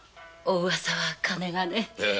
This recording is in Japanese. おうわさはかねがね。